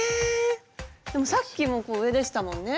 ⁉でもさっきも上でしたもんね。